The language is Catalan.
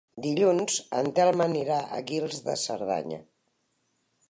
Dilluns en Telm anirà a Guils de Cerdanya.